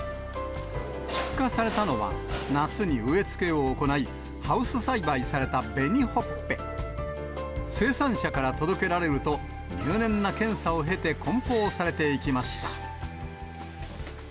出荷されたのは、夏に植え付けを行い、ハウス栽培された紅ほっぺ。生産者から届けられると、入念な検査を経て、こん包されていきました。